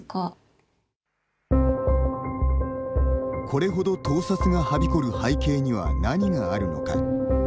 これほど盗撮がはびこる背景には何があるのか。